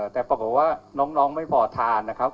แต่ปรากฏว่าน้องไม่พอทานนะครับ